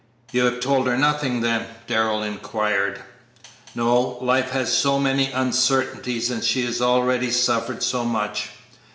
"You have told her nothing, then?" Darrell inquired. "No; life has so many uncertainties and she has already suffered so much.